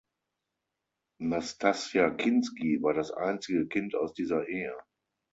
Nastassja Kinski war das einzige Kind aus dieser Ehe.